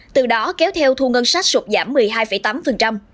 từ đó kéo theo thu ngân sách sụt giảm một mươi hai tám